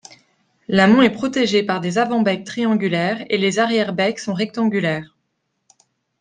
L'amont est protégé par des avant-becs triangulaires et les arrière-becs sont rectangulaires.